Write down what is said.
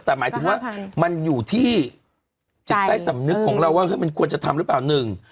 แต่หมายถึงว่ามันอยู่ที่จิตใต้สำนึกของเราว่ามันควรจะทำหรือเปล่าหนึ่ง